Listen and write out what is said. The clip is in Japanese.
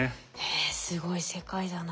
えすごい世界だな。